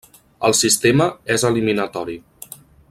El sistema és eliminatori.